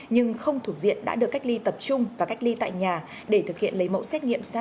nhưng không thuộc diện đã được cách ly tập trung và cách ly tại nhà để thực hiện lấy mẫu xét nghiệm sars cov hai